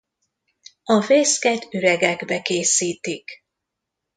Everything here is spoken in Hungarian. A fészket üregekbe készítik.